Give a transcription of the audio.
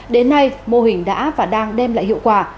đến nay mô hình đã và đang đem lại hiệu quả